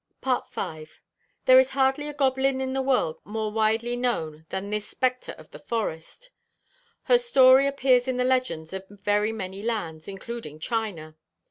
' FOOTNOTE: Iolo MSS. 587, et seq. V. There is hardly a goblin in the world more widely known than this spectre of the forest. Her story appears in the legends of very many lands, including China.